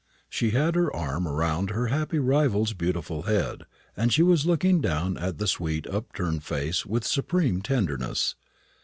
She had her arm round her happy rival's beautiful head, and she was looking down at the sweet upturned face with supreme tenderness.